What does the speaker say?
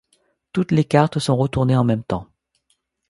Toutes les cartes sont retournées en même temps.